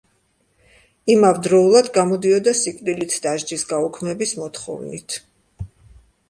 იმავდროულად, გამოდიოდა სიკვდილით დასჯის გაუქმების მოთხოვნით.